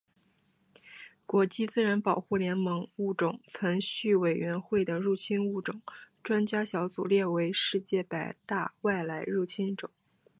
国际自然保护联盟物种存续委员会的入侵物种专家小组列为世界百大外来入侵种。